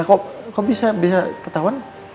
kok bisa ketahuan